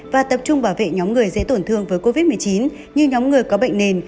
và tập trung bảo vệ nhóm người dễ tổn thương với covid một mươi chín như nhóm người có bệnh nền